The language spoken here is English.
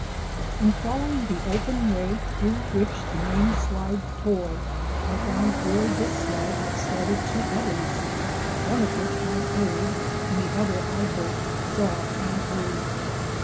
In following the open way through which the main slide tore I found where this slide had started two others, one of which I heard and the other I both saw and heard.